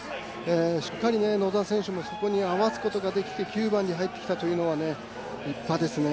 しっかり、野田選手もそこに合わすことができて９番に入ってきたというのは立派ですね。